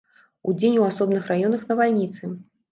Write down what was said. Удзень у асобных раёнах навальніцы.